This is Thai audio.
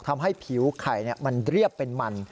ทำให้ผิวไข่มันเรียบเป็นมัน